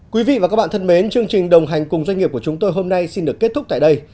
quý vị và các bạn thân mến chương trình đồng hành cùng doanh nghiệp của chúng tôi hôm nay xin được kết thúc tại đây